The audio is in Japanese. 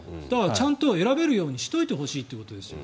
ちゃんと選べるようにしておいてほしいということですよ。